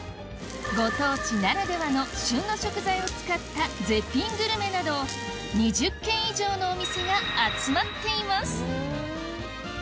ご当地ならではの旬の食材を使った絶品グルメなど２０軒以上のお店が集まっています